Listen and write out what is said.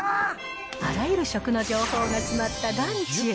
あらゆる食の情報が詰まったダンチュウ。